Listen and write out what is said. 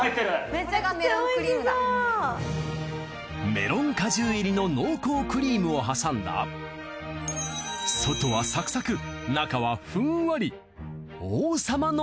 メロン果汁入りの濃厚クリームを挟んだ外はサクサク中はふんわり。